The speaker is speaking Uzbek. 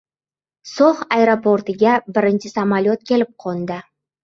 So‘x aeroportiga birinchi samolyot kelib qo‘ndi